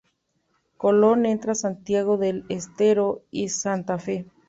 Colón entre Santiago del Estero y Santa Fe.